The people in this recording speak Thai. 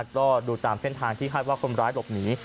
ก็ดูตามเส้นทางที่คาดว่าคนร้ายหลบหนี